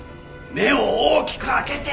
目を大きく開けて。